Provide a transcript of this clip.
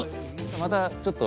またちょっと。